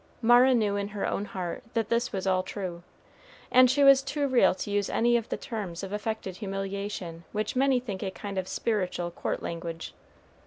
Mara knew in her own heart that this was all true, and she was too real to use any of the terms of affected humiliation which many think a kind of spiritual court language.